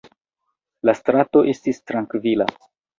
La strato estis trankvila.